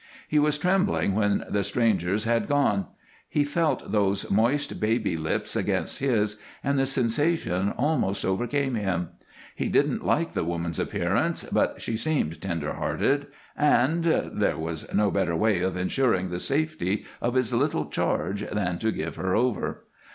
He was trembling when the strangers had gone; he felt those moist baby lips against his and the sensation almost overcame him. He didn't like the woman's appearance, but she seemed tender hearted and there was no better way of insuring the safety of his little charge than to give her over.